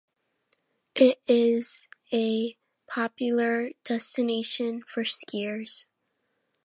It is a popular destination for skiers.